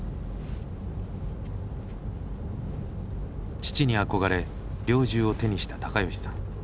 父に憧れ猟銃を手にした貴吉さん。